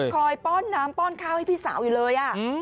ป้อนน้ำป้อนข้าวให้พี่สาวอยู่เลย